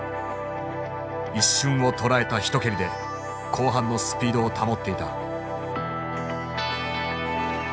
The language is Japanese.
一瞬をとらえた一蹴りで後半のスピードを保っていた。